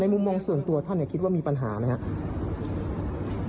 มุมมองส่วนตัวท่านคิดว่ามีปัญหาไหมครับ